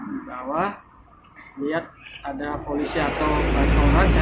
di bawah lihat ada polisi atau bantohan